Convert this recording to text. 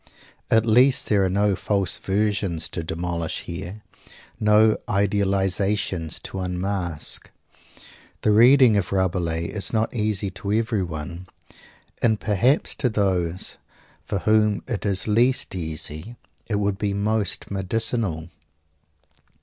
At least there are no false versions to demolish here no idealizations to unmask. The reading of Rabelais is not easy to everyone, and perhaps to those for whom it is least easy, he would be most medicinal.